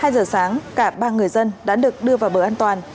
hai giờ sáng cả ba người dân đã được đưa vào bờ an toàn